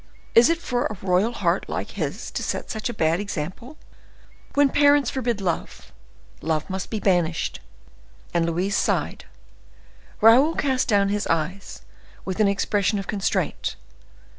Is it for a royal heart like his to set such a bad example? When parents forbid love, love must be banished." And Louise sighed: Raoul cast down his eyes, with an expression of constraint.